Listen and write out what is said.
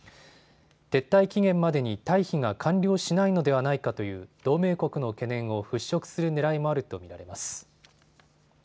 撤退期限までに退避が完了しないのではないかという同盟国の懸念を払拭するねらいもあると見られます。